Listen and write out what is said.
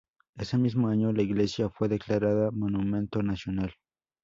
Ese mismo año la iglesia fue declarada Monumento Nacional.